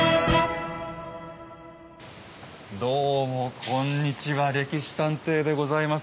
どうもこんにちは「歴史探偵」でございます。